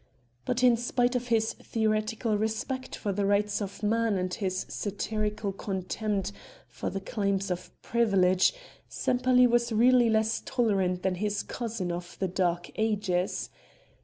But in spite of his theoretical respect for the rights of man and his satirical contempt for the claims of privilege, Sempaly was really less tolerant than his cousin of "the dark ages."